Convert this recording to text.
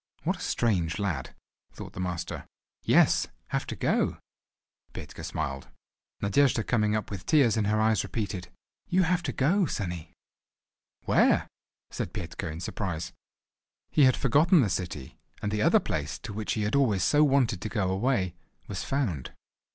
"What a strange lad," thought the master. "Yes, have to go." Petka smiled. Nadejda coming up with tears in her eyes repeated: "You have to go, sonny." "Where?" said Petka in surprise. He had forgotten the city; and the other place, to which he had always so wanted to go away—was found.